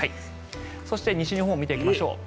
そして西日本を見ていきましょう。